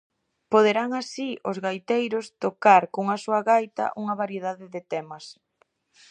Poderán así os gaiteiros tocar cunha soa gaita unha variedade de temas.